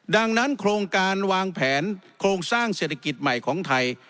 ดังนั้นโครงการวางแผนโครงสร้างเศรษฐกิจใหม่ของไทย